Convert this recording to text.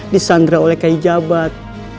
disandra oleh kaya jabat